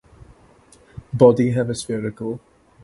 Body hemispherical.